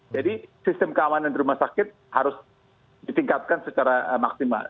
jadi sistem keamanan di rumah sakit harus ditingkatkan secara maksimal